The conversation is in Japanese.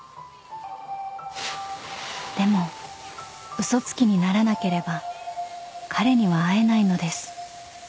［でも嘘つきにならなければ彼には会えないのです］